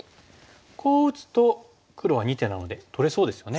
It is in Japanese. こう打つと黒は２手なので取れそうですよね。